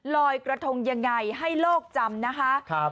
ลอยกระทงยังไงให้โลกจำนะคะ